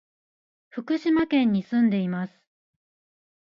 福島県に住んでいます。